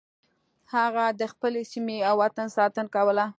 هغه د خپلې سیمې او وطن ساتنه کوله.